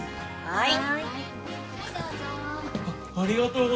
はい。